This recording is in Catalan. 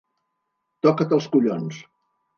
Toca't els collons!